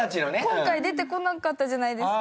今回出てこなかったじゃないですか。